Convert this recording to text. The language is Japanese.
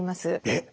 えっ！？